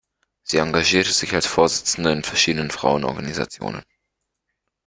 Sie engagierte sich als Vorsitzende in verschiedenen Frauenorganisationen.